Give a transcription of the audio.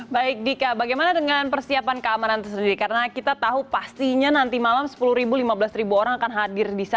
baik dika bagaimana dengan persiapan keamanan tersendiri karena kita tahu pastinya nanti malam sepuluh lima belas orang akan hadir di sana